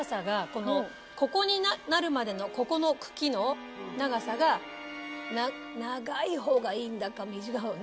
ここになるまでのここの茎の長さが長いほうがいいんだか短いほうが。